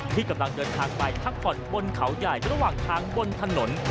ที่กำลังเดินทางไปพักผ่อนบนเขาใหญ่ระหว่างทางบนถนน